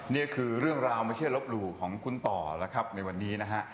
นี่คือเรื่องราวไม่ใช่ลบหลู่ของคุณต่อแล้วครับในวันนี้นะฮะ